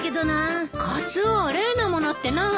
カツオ例のものって何？